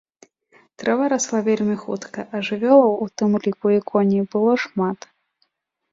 Трава расла вельмі хутка, а жывёлаў, у тым ліку і коней, было шмат.